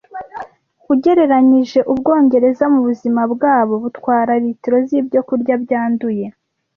Ugereranyije Ubwongereza mubuzima bwabo butwara litiro zibyo kurya byanduye